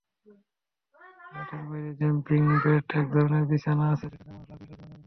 মাঠের বাইরে জাম্পিং বেডএকধরনের বিছানা আছে, যেটাতে মানুষ লাফিয়ে লাফিয়ে অনেক ওপরে ওঠে।